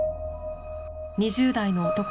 ２０代の男